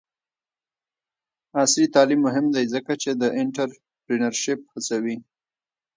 عصري تعلیم مهم دی ځکه چې د انټرپرینرشپ هڅوي.